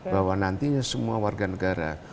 bahwa nantinya semua warga negara